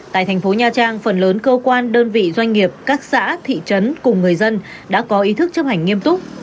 tại thành phố nha trang phần lớn cơ quan đơn vị doanh nghiệp các xã thị trấn cùng người dân đã có ý thức chấp hành nghiêm túc